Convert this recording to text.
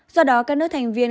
do đó các nước thành viên